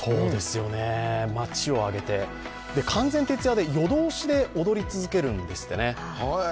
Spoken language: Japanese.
完全徹夜で、夜通しで踊り続けるんですってね。